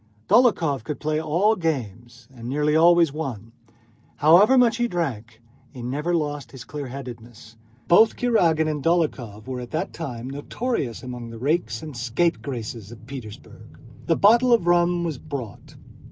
Dólokhov could play all games and nearly always won. However much he drank, he never lost his clearheadedness. Both Kurágin and Dólokhov were at that time notorious among the rakes and scapegraces of Petersburg. The bottle of rum was brought.